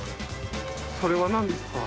それはなんですか？